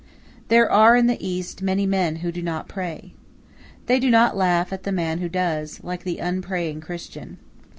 There are in the East many men who do not pray. They do not laugh at the man who does, like the unpraying Christian.